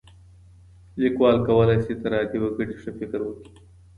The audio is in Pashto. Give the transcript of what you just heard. ليکوال کولای سي تر عادي وګړي ښه فکر وکړي.